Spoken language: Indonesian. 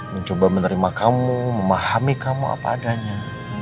mencoba menerima kamu memahami kamu apa adanya